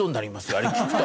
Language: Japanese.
あれを聞くと。